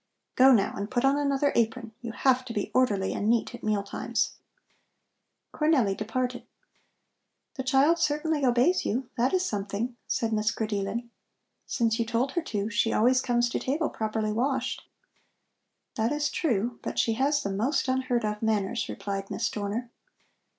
Go, now, and put on another apron. You have to be orderly and neat at mealtimes." Cornelli departed. "The child certainly obeys you that is something," said Miss Grideelen. "Since you told her to, she always comes to table properly washed." "That is true. But she has the most unheard of manners," replied Miss Dorner.